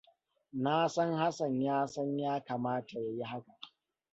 Na san Hassan ya san ya kamata ya yi haka.